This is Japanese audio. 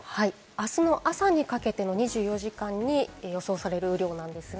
あすの朝にかけての２４時間に予想される雨量です。